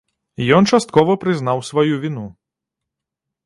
Ён часткова прызнаў сваю віну.